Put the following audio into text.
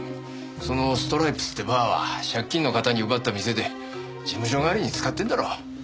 そのＳＴＲＹＰＥＳっていうバーは借金のかたに奪った店で事務所代わりに使ってるんだろう。